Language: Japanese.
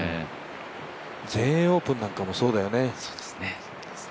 全英オープンなんかもそうだよね。